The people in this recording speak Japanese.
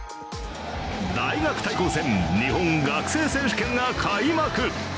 大学対抗戦、日本学生選手権が開幕。